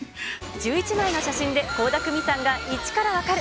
１１枚の写真で倖田來未さんが１から分かる！